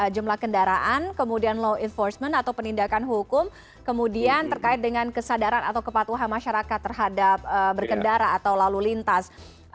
jumlah kendaraan kemudian law enforcement atau penindakan hukum kemudian terkait dengan kesadaran atau kepatuhan masyarakat terhadap berkendara atau lalu lintas